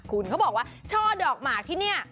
คุณเขาบอกว่าช่อดอกหมากที่นี่